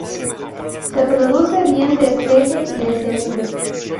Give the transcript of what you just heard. Se reproduce bien de esqueje y de semilla.